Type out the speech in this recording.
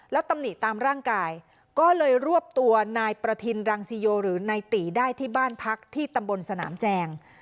แล้วตำหนิตามร่างกายก็เลยรวบตัวนายประทินรังสิโยหรือนายตีได้ที่บ้านพักที่ตำบลสนามแจง